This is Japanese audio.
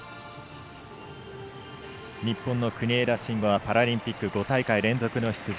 日本の国枝慎吾はパラリンピック５大会連続出場。